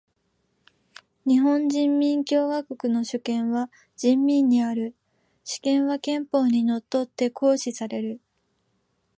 日本人民共和国の主権は人民にある。主権は憲法に則って行使される。